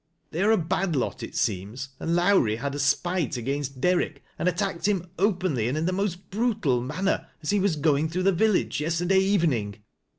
They are a bad lot it seems, and Lowrie had a spite against Derrick, and attacked him openly, and in the most brutal manner, aa be was going through the village yesterday evening."